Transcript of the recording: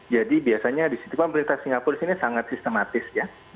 jadi biasanya di situ pemerintah singapura ini sangat sistematis